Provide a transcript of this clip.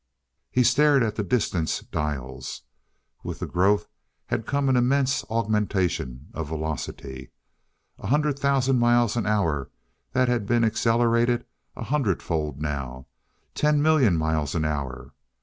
He stared at the distance dials. With the growth had come an immense augmentation of velocity. A hundred thousand miles an hour that had been accelerated a hundred fold now. Ten million miles an hour....